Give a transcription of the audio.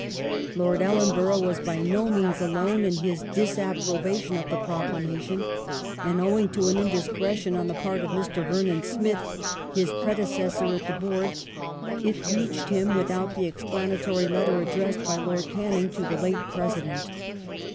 Lord Ellenborough was by no means alone in his disapprobation of the proclamation ; and owing to an indiscretion on the part of Mr. Vernon Smith, his predecessor at the Board, it reached him without the explanatory letter addressed by Lord Canning to the late President.